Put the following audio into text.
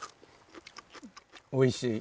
おいしい。